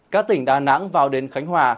các tỉnh đà nẵng vào đến khánh hòa